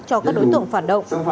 cho các đối tượng phản động